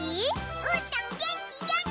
うーたんげんきげんき！